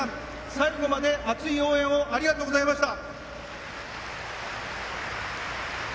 最後まで熱い応援をありがとうございました。